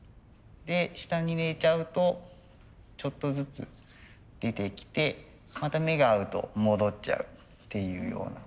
で下に寝ちゃうとちょっとずつ出てきてまた目が合うと戻っちゃうっていうような。